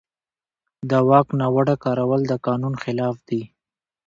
د واک ناوړه کارول د قانون خلاف دي.